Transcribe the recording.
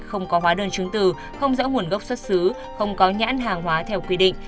không có hóa đơn chứng từ không rõ nguồn gốc xuất xứ không có nhãn hàng hóa theo quy định